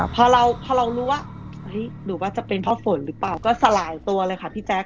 พอเรารู้ว่าจะเป็นพ่อโฟ่นหรือเปล่าก็สลายตัวเลยค่ะพี่แจ๊ค